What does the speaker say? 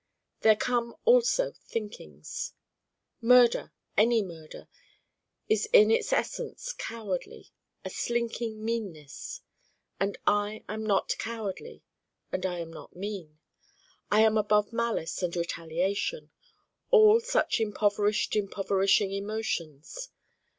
There come also thinkings. Murder, any Murder, is in its essence cowardly, a slinking meanness. And I am not cowardly and I am not mean. I am above malice and retaliation all such impoverished impoverishing emotions.